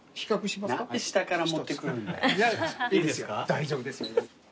大丈夫ですよ。